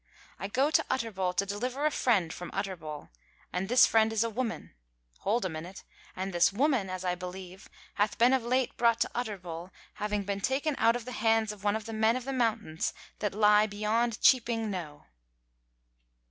I go to Utterbol to deliver a friend from Utterbol; and this friend is a woman hold a minute and this woman, as I believe, hath been of late brought to Utterbol, having been taken out of the hands of one of the men of the mountains that lie beyond Cheaping Knowe."